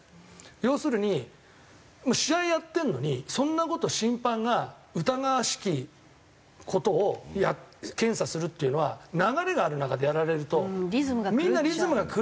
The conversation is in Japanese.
要するに試合やってるのにそんな事審判が疑わしき事を検査するっていうのは流れがある中でやられるとみんなリズムが狂う。